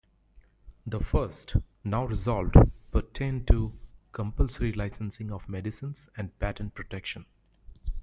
The first, now resolved, pertained to compulsory licensing of medicines and patent protection.